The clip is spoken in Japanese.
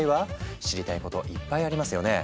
知りたいこといっぱいありますよね？